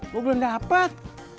lo belum dapat